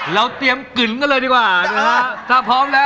เราเตรียมกลิ่นกันเลยดีกว่านะฮะถ้าพร้อมแล้ว